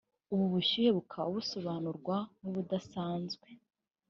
ubu bushyuhe bukaba busobanurwa nk’ubudasanzwe